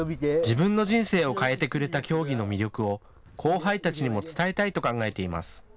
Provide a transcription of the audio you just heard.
自分の人生を変えてくれた競技の魅力を後輩たちにも伝えたいと考えています。